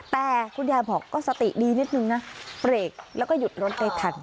แต่คุณยายบอกก็สติดีนิดนึงนะเบรกแล้วก็หยุดรถได้ทัน